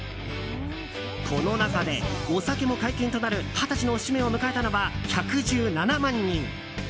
この中で、お酒も解禁となる二十歳の節目を迎えたのは１１７万人。